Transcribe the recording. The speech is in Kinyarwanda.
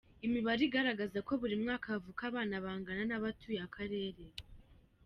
Imibare igaragaza ko buri mwaka havuka abana bangana n’abatuye akarere.